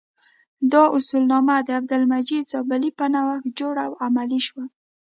دا اصولنامه د عبدالمجید زابلي په نوښت جوړه او عملي شوه.